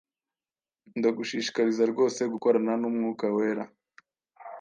Ndagushishikariza rwose gukorana n’Umwuka Wera